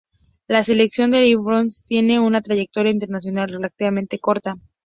La selección de Liechtenstein tiene una trayectoria internacional relativamente corta.